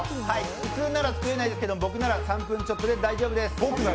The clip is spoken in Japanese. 普通なら作れないですけど僕なら３分で大丈夫です。